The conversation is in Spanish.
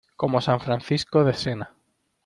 como San Francisco de Sena!